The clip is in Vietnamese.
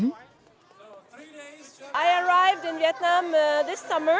tôi đến việt nam vào năm nay